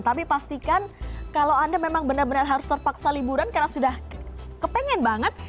tapi pastikan kalau anda memang benar benar harus terpaksa liburan karena sudah kepengen banget